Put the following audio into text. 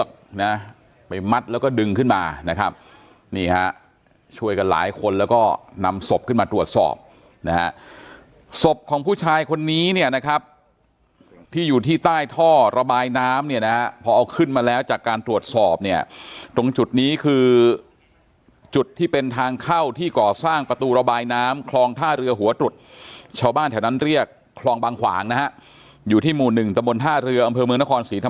นะไปมัดแล้วก็ดึงขึ้นมานะครับนี่ฮะช่วยกันหลายคนแล้วก็นำศพขึ้นมาตรวจสอบนะฮะศพของผู้ชายคนนี้เนี่ยนะครับที่อยู่ที่ใต้ท่อระบายน้ำเนี่ยนะฮะพอเอาขึ้นมาแล้วจากการตรวจสอบเนี่ยตรงจุดนี้คือจุดที่เป็นทางเข้าที่ก่อสร้างประตูระบายน้ำคลองท่าเรือหัวตรุษชาวบ้านแถวนั้นเรียกคลองบางขวางนะฮะอยู่ที่หมู่หนึ่งตะบนท่าเรืออำเภอเมืองนครศรีทั